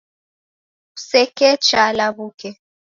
Kusekecha lawuke